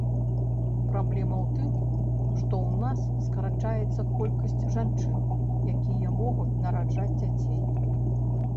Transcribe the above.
Праблема ў тым, што ў нас скарачаецца колькасць жанчын, якія могуць нараджаць дзяцей.